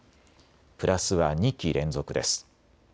プラスは２期連続です。